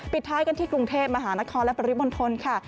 ปิดท้ายกันที่กรุงเทพฯมหานครและปริมนต์ทนค่ะ